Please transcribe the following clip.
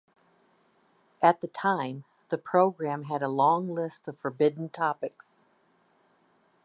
At the time, the programme had a long list of forbidden topics.